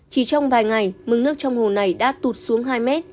chỉ trong vài ngày mừng nước trong hồ này đã tụt xuống hai m